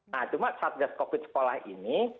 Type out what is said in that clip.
nah cuma satgas covid sekolah ini